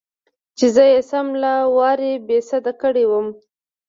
چې زه يې سم له وارې بېسده کړى وم.